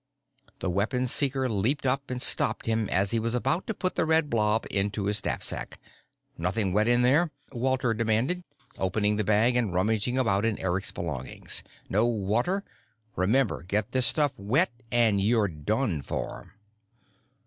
The Weapon Seeker leaped up and stopped him as he was about to put the red blob into his knapsack. "Nothing wet in there?" Walter demanded, opening the bag and rummaging about in Eric's belongings. "No water? Remember, get this stuff wet and you're done for."